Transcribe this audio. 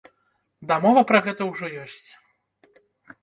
Дамова пра гэта ўжо ёсць.